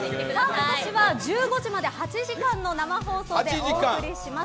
今年は１５時まで８時間の生放送でお送りします